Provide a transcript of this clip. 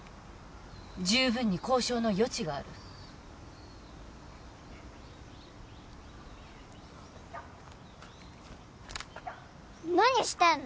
十分に交渉の余地がある何してんの？